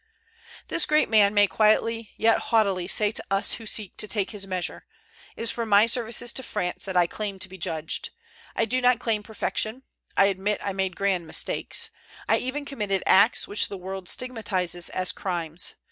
This great man may quietly yet haughtily say to us who seek to take his measure: "It is for my services to France that I claim to be judged. I do not claim perfection. I admit I made grand mistakes; I even committed acts which the world stigmatizes as crimes.